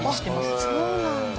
あっそうなんだ。